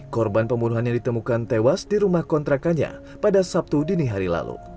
korban pembunuhan yang ditemukan tewas di rumah kontrakannya pada sabtu dini hari lalu